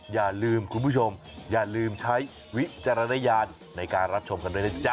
อย่าลืมคุณผู้ชมอย่าลืมใช้วิจารณญาณในการรับชมกันด้วยนะจ๊ะ